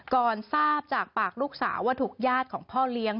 ทราบจากปากลูกสาวว่าถูกญาติของพ่อเลี้ยง